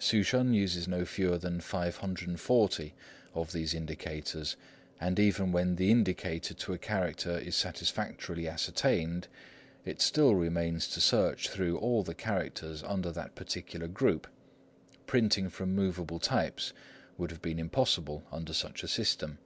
Hsü Shên uses no fewer than 540 of these indicators, and even when the indicator to a character is satisfactorily ascertained, it still remains to search through all the characters under that particular group. Printing from movable types would have been impossible under such a system.